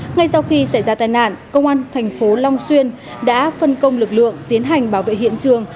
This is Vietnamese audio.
ngay sau khi xảy ra tai nạn công an thành phố long xuyên đã phân công lực lượng tiến hành bảo vệ hiện trường